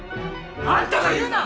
あんたが言うな！